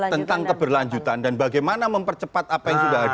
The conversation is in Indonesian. tentang keberlanjutan dan bagaimana mempercepat apa yang sudah ada